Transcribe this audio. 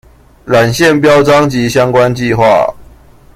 纜線標章及相關計畫